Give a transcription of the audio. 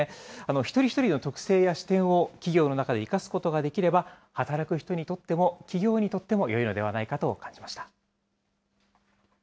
一人一人の特性や視点を企業の中で生かすことができれば、働く人にとっても、企業にとってもよいのではないかと感じました。